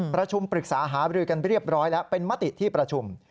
ประชุมปรึกษาหาบริกันเรียบร้อยแล้วเป็นมติที่ประชุม